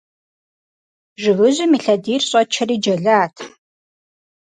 Жыгыжьым и лъэдийр щӀэчэри джэлат.